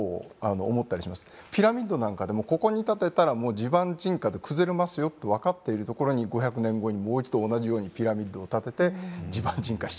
ピラミッドなんかでもここに建てたら地盤沈下で崩れますよと分かっている所に５００年後にもう一度同じようにピラミッドを建てて地盤沈下しちゃうとかですね。